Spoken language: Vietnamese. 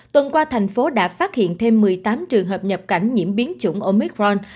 tuần qua thành phố đã phát hiện thêm một mươi tám trường hợp nhập cảnh nhiễm biến chủng omicron